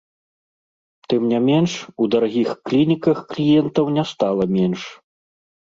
Тым не менш, у дарагіх клініках кліентаў не стала менш.